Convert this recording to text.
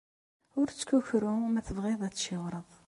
Ur ttkukru ma tebɣiḍ ad tciwṛeḍ.